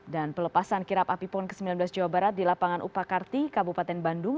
dan pelepasan kirap api pon ke sembilan belas jawa barat di lapangan upakarti kabupaten bandung